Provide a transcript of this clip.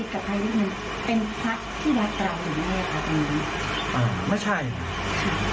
อ๋อกระทำใกล้ชิดกับใครนิดหนึ่งเป็นพระที่รักรัก